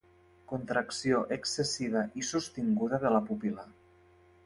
Contracció excessiva i sostinguda de la pupil·la.